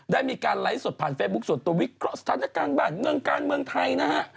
ได้มีการไลฟ์สดผ่านเฟซบุ๊คส่วนตัววิเคราะห์สถานการณ์บ้านเมืองการเมืองไทยนะฮะ